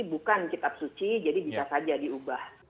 bukan kitab suci jadi bisa saja diubah